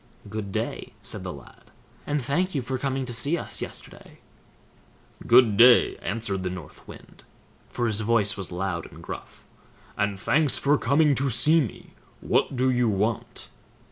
"Good day!" said the lad, "and thank you for coming to see us yesterday." "GOOD DAY!" answered the North Wind, for his voice was loud and gruff, "AND THANKS FOR COMING TO SEE ME. WHAT DO YOU WANT?"